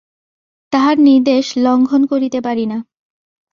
তাঁহার নির্দেশ লঙ্ঘন করিতে পারি না।